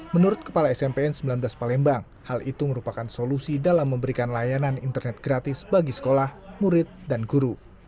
menurut kepala smpn sembilan belas palembang hal itu merupakan solusi dalam memberikan layanan internet gratis bagi sekolah murid dan guru